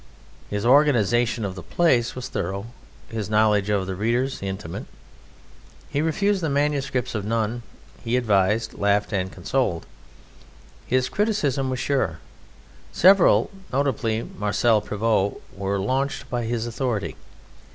His organization of the place was thorough, his knowledge of the readers intimate. He refused the manuscripts of none, he advised, laughed, and consoled. His criticism was sure. Several, notably Marcel Prevost, were launched by his authority.